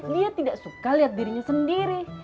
dia tidak suka lihat dirinya sendiri